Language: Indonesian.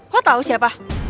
lo tau siapa